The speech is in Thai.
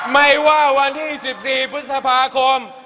ไม่ว่าวันที่๑๔พฤษภาคม